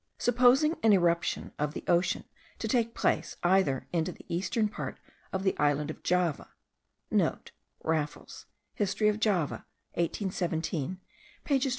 Supposing an irruption of the ocean to take place either into the eastern part of the island of Java* (* Raffles, History of Java, 1817, pages 23 28.